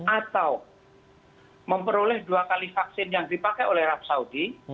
atau memperoleh dua kali vaksin yang dipakai oleh arab saudi